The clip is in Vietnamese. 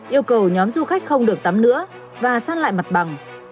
yêu cầu nhóm du khách không được tắm nữa và sát lại mặt bằng